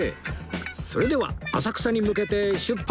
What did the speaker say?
それでは浅草に向けて出発！